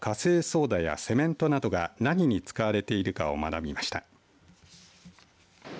ソーダやセメントなどが何に使われているかを学びました。